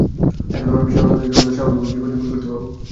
এখন আমরা বিশ্বের অন্য দেশগুলোর মতোই স্বাভাবিকভাবে জীবন যাপন করতে পারব।